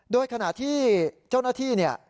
โดยขณะที่เจ้าหน้าที่เนี่ย